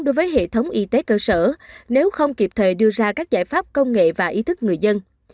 đối với hệ thống y tế cơ sở nếu không kịp thời đưa ra các giải pháp công nghệ và ý thức người dân